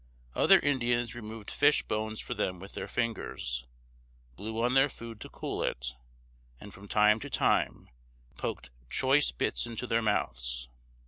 Other Indians removed fish bones for them with their fingers, blew on their food to cool it, and from time to time poked choice bits into their mouths.